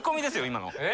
今の。